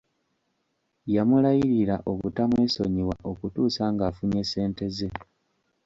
Yamulayirira obutamwesonyiwa okutuusa ng'afunye ssente ze.